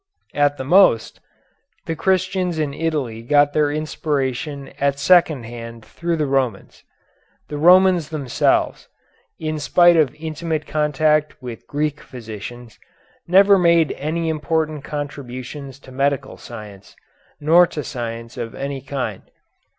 At the most, the Christians in Italy got their inspiration at second hand through the Romans. The Romans themselves, in spite of intimate contact with Greek physicians, never made any important contributions to medical science, nor to science of any kind.